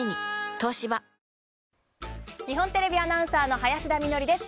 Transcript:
東芝日本テレビアナウンサーの林田美学です。